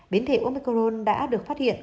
biến thể omicron đã được phát hiện